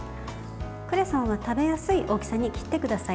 クレソンは食べやすい大きさに切ってください。